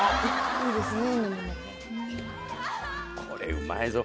いいですね。